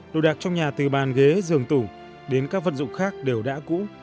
đồ đạc trong nhà từ bàn ghế giường tủ đến các vật dụng khác đều đã cũ